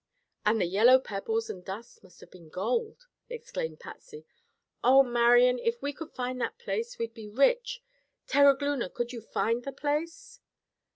"And the yellow pebbles and dust must have been gold!" exclaimed Patsy. "Oh, Marian! If we could find that place we'd be rich. Terogloona, could you find the place?"